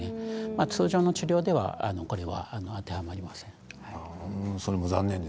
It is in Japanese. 通常の治療ではこれは当てはまりません。